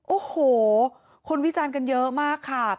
โอ้โหคนวิจารณ์กันเยอะมากค่ะ